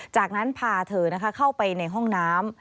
จากนั้นพาเธอเข้าไปในห้องน้ำ